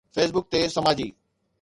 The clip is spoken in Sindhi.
Facebook تي سماجي